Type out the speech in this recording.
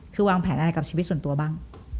คือวางแผนอะไรกับชีวิตส่วนตัวบ้าง